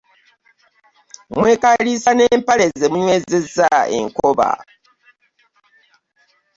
Mwkaliisa n'empale zemunywezesa enloba .